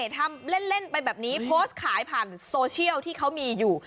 ทำเล่นไปแบบนี้โพสต์ขายผ่านโซเชียลที่เขามีอยู่